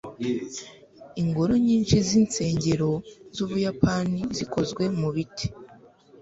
ingoro nyinshi zinsengero zubuyapani zikozwe mubiti